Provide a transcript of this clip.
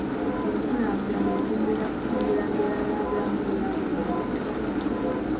Enkulaakulana egenderera kutumbula mbeera ya bulamu eya buli muntu..